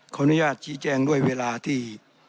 ขออนุญาตชี้แจงด้วยเวลาที่